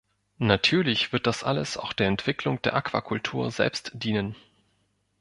Natürlich wird das alles auch der Entwicklung der Aquakultur selbst dienen.